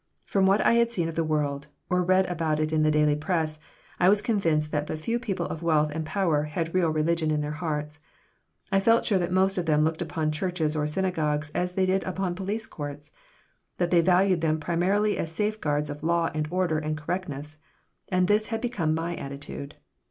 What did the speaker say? From what I had seen of the world, or read about it in the daily press, I was convinced that but few people of wealth and power had real religion in their hearts. I felt sure that most of them looked upon churches or synagogues as they did upon police courts; that they valued them primarily as safeguards of law and order and correctness, and this had become my attitude.